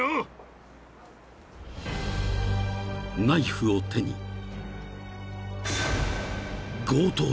［ナイフを手に］